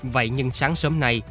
vậy nhưng sáng sớm nay